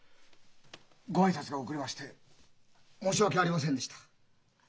ご挨拶が遅れまして申し訳ありませんでした。